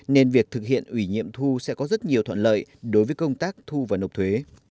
nên việc thực hiện ủy nhiệm thu sẽ có rất nhiều thuận lợi đối với công tác thu và nộp thuế